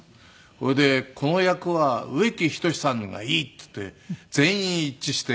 それでこの役は植木等さんがいいっていって全員一致して。